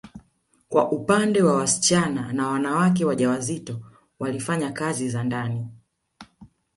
Kwa upande wa wasichana na wanawake wajawazito walifanya kazi za ndani